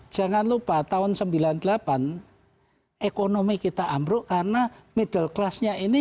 jangan lupa tahun sembilan puluh delapan ekonomi kita ambruk karena middle classnya ini